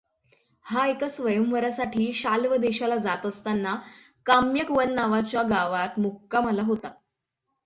हा एका स्वयंवरासाठी शाल्व देशाला जात असताना काम्यकवन नावाच्या गावात मुक्कामाला होता.